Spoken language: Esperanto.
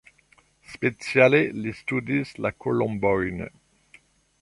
Speciale li studis la kolombojn.